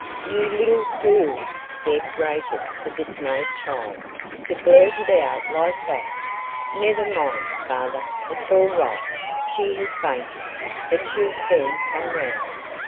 "You little FOOL!" Deb rated the dismayed child, "to blurt it out like that. Never mind, father, it's all right. She has fainted, but she'll soon come round.